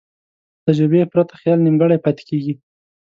له تجربې پرته خیال نیمګړی پاتې کېږي.